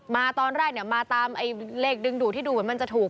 มาตอนแรกเนี่ยมาตามไอ้เลขดึงดูดที่ดูเหมือนมันจะถูก